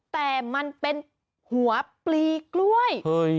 แต่มันเป็นหัวปลีกล้วย